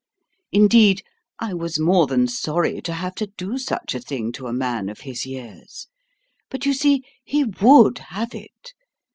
Indeed, I was more than sorry to have to do such a thing to a man of his years; but you see he WOULD have it.